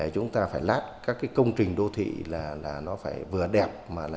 chúng ta phải lát các công trình đô thị là nó phải vừa đẹp